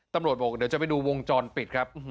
ตำรวจบอกเดี๋ยวจะไปดูวงจรปิดครับ